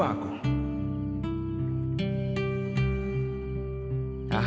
anak anakmu yang berada di sekitar bukit